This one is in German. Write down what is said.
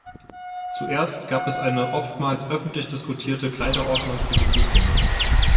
Zuerst gab es eine oftmals öffentlich diskutierte Kleiderordnung für die Fußgänger.